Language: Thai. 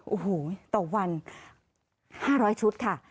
โอ้โหต่อวัน๕๐๐ชุดค่ะ